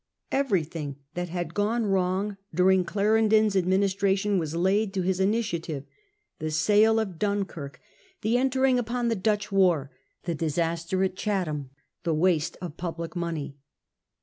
Everything that had gone wrong during Clarendon's administration was laid to his initiative — the sale of Dunkirk, the entering upon the Dutch war, the disaster at Chatham, the waste of public money.